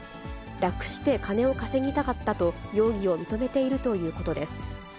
楽して金を稼ぎたかったと、容疑を認めているということです。